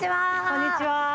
こんにちは。